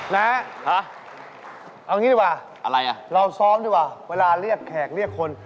แนะเอาอย่างนี้ดีกว่าเราซ้อมดีกว่าเวลาเรียกแขกเรียกคน